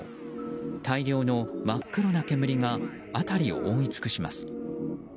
大量の真っ黒な煙が辺りを覆い尽くします。